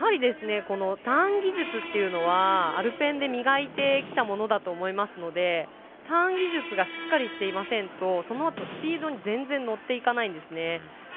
ターン技術というのはアルペンで磨いてきたものだと思うのでターン技術がしっかりしていませんとそのあとスピードに全然、乗っていかないんですね。